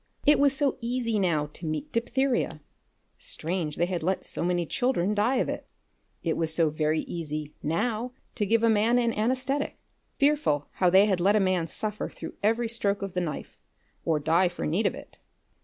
It was so easy now to meet diphtheria. Strange they had let so many children die of it! It was so very easy now to give a man an anesthetic. Fearful how they had let a man suffer through every stroke of the knife, or die for need of it!